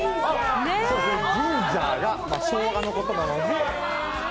ジンジャーがしょうがのことなので。